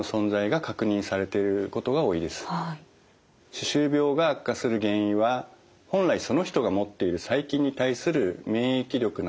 歯周病が悪化する原因は本来その人が持っている細菌に対する免疫力など複雑に絡み合ってます。